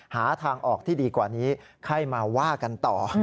หาทางออกที่ดีกว่านี้ค่อยมาว่ากันต่อ